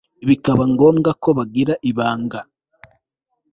bikaba ngombwa ko bagira ibanga